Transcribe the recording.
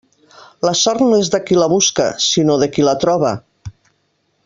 La sort no és de qui la busca, sinó de qui la troba.